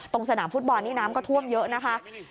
สนามฟุตบอลนี่น้ำก็ท่วมเยอะนะคะ